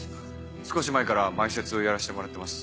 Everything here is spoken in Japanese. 少し前から前説やらせてもらってます。